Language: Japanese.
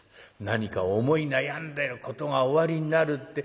何か思い悩んでることがおありになるって。